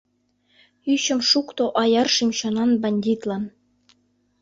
Ӱчым шукто аяр шӱм-чонан бандитлан.